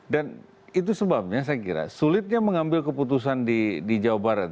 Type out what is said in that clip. dan itu sebabnya saya kira sulitnya mengambil keputusan di jawa barat